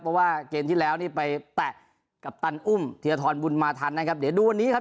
เพราะว่าเกมที่แล้วนี่ไปแตะกัปตันอุ้มธีรทรบุญมาทันนะครับเดี๋ยวดูวันนี้ครับ